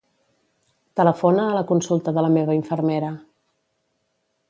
Telefona a la consulta de la meva infermera.